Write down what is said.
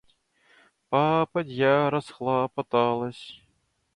Попадья расхлопоталась.